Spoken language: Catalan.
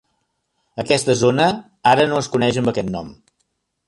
Aquesta zona ara no es coneix amb aquest nom.